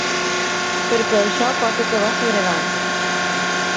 Perquè això pot acabar segregant.